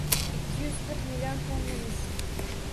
Ikki yuz qirq million tonna mis